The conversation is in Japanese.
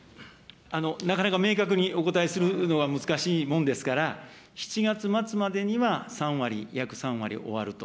なかなか明確にお答えするのは難しいものですから、７月末までには３割、約３割終わると。